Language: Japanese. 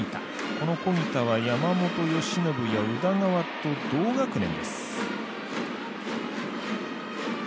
この小木田は山本由伸や宇田川と同学年です。